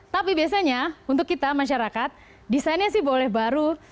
tapi biasanya untuk kita masyarakat desainnya sih boleh baru